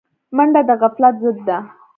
منډه د غفلت ضد ده